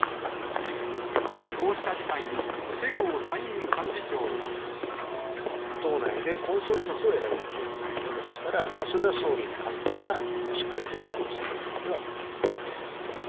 こうした事態に、党内でコンセンサスを得られなきゃいけないわけですから、それは総理、官邸がしっかり努力をされるべきではないかと思います。